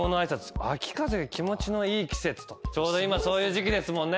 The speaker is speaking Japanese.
ちょうど今そういう時季ですもんね。